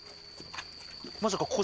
まさか。